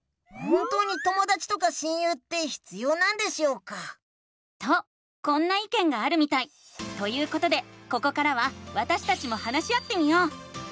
本当にともだちとか親友って必要なんでしょうか？とこんないけんがあるみたい！ということでここからはわたしたちも話し合ってみよう！